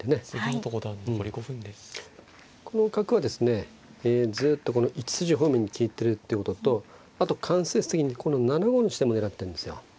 この角はですねずっとこの１筋方面に利いてるってこととあと間接的にこの７五の地点も狙ってんですよ。